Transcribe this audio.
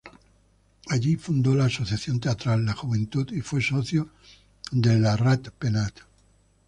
Allí fundó la asociación teatral La Juventud y fue socio de Lo Rat Penat.